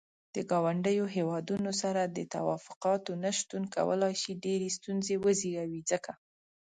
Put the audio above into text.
د ګاونډيو هيوادونو سره د تووافقاتو نه شتون کولاي شي ډيرې ستونزې وزيږوي ځکه.